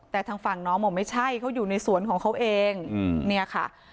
แต่ทางฝั่งน้องบอกไม่ใช่เขาอยู่ในสวนของเขาเองเนี่ยค่ะ